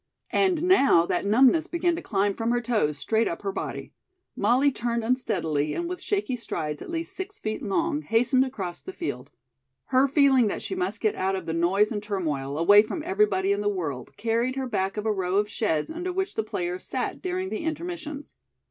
And now that numbness began to climb from her toes straight up her body. Molly turned unsteadily and with shaky strides at least six feet long, hastened across the field. Her feeling that she must get out of the noise and turmoil, away from everybody in the world, carried her back of a row of sheds under which the players sat during the intermissions.